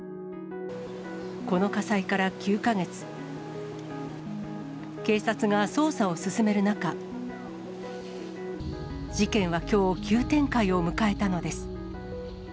この火災から９か月、警察が捜査を進める中、事件はきょう、急展開を迎えたのです。